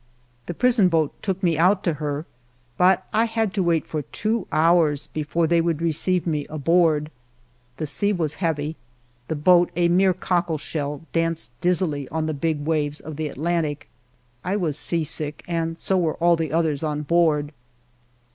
The prison boat took me out to her, but I had to wait for two hours before they would receive me aboard. The sea was heavy ; the boat, a mere cockle shell, danced dizzily on the big waves of the Atlantic ; I was seasick, and so were all the others on board.